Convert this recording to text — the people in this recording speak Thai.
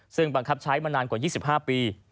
ซึ่งบังคับใช้มานานกว่า๒๕ปี